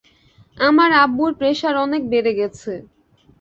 আমার আব্বুর প্রেসার অনেক বেড়ে গেছে।